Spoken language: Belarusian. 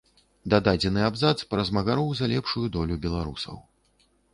Дададзены абзац пра змагароў за лепшую долю беларусаў.